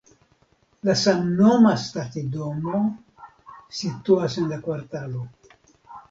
La samnoma stacidomo situas en la kvartalo.